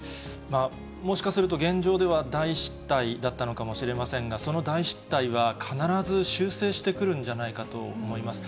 もしかすると、現状では大失態だったのかもしれませんが、その大失態は必ず修正してくるんじゃないかと思います。